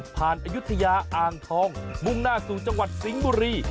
อายุทยาอ่างทองมุ่งหน้าสู่จังหวัดสิงห์บุรี